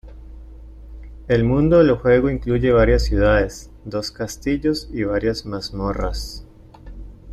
El mundo del juego incluye varias ciudades, dos castillos, y varias mazmorras.